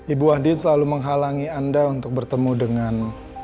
ibu ahdin selalu menghalangi anda untuk bertemu dengan